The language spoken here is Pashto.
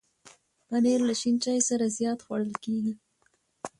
پنېر له شین چای سره زیات خوړل کېږي.